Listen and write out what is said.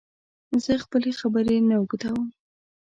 زه خپلي خبري نه اوږدوم